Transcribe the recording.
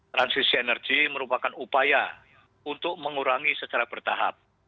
transisi energi merupakan upaya untuk mengurangi secara bertahap